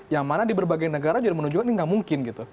yang mana di berbagai negara juga menunjukkan ini nggak mungkin gitu